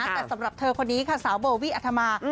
แต่สำหรับเธอคนนี้ค่ะสาวโบวี่อัธมา